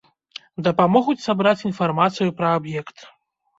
Дапамогуць сабраць інфармацыю пра аб'ект.